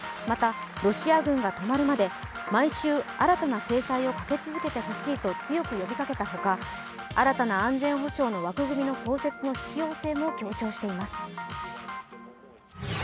また、ロシア軍が止まるまで毎週新たな制裁をかけ続けて欲しいと強く呼びかけたほか新たな安全保障の枠組みの創設の必要性も強調しています。